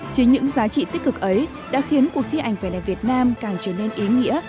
chính những giá trị tích cực ấy đã khiến cuộc thi ảnh vẻ đẹp việt nam càng trở nên ý nghĩa